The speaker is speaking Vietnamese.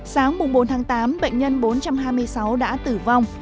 sáng bốn tháng tám bệnh nhân bốn trăm hai mươi sáu đã tử vong